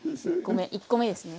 １個目ですね。